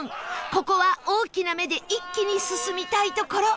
ここは大きな目で一気に進みたいところ